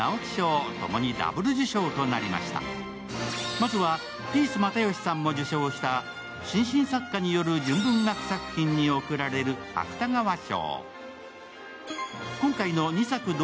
まずは、ピース又吉さんも受賞した新進作家による純文学作品に贈られる芥川賞。